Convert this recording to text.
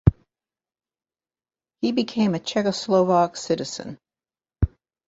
He became a Czechoslovak citizen.